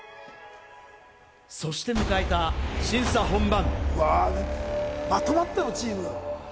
そして迎えた審査本番。